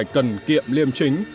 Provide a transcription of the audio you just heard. cần kiệm liêm chính